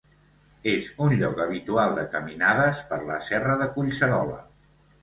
És un lloc habitual de caminades per la Serra de Collserola.